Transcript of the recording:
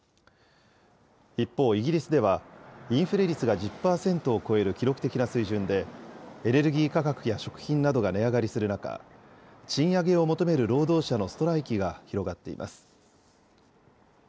一方、イギリスではインフレ率が１０％を超える記録的な水準で、エネルギー価格や食品などが値上がりする中、賃上げを求める労働者のストライキが広がっています。